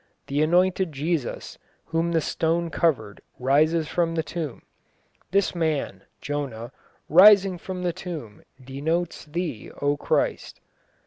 The anointed Jesus, whom the stone covered, rises from the tomb. This man [Jonah] rising from the tomb, denotes Thee, O Christ!)